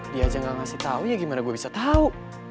dia aja gak ngasih tau ya gimana gue bisa tahu